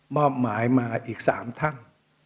มอบหมายมาอีกสามท่าน